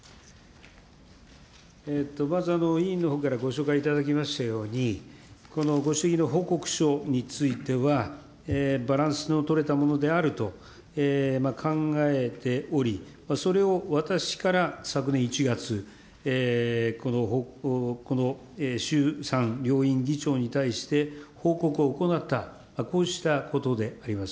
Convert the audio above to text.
まず、委員のほうからご紹介いただきましたように、ご指摘の報告書については、バランスの取れたものであると考えており、それを私から昨年１月、この衆参両院議長に対して報告を行った、こうしたことであります。